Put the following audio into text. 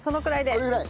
これぐらい？